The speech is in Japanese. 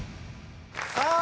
さあ